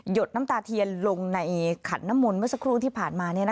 ดน้ำตาเทียนลงในขันน้ำมนต์เมื่อสักครู่ที่ผ่านมา